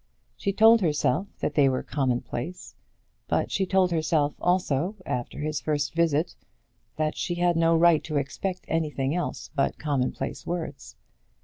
She told herself that they were commonplace; but she told herself, also, after his first visit, that she had no right to expect anything else but commonplace words.